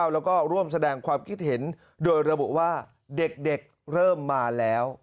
แล้วก็ร่วมแสดงความคิดเห็นโดยระบุว่าเด็กเริ่มมาแล้ว